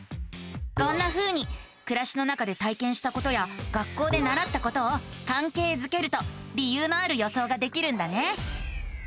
こんなふうにくらしの中で体験したことや学校でならったことをかんけいづけると理由のある予想ができるんだね。